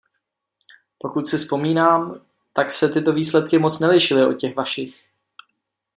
Pokud si vzpomínám, tak se tyto výsledky moc nelišily od těch vašich.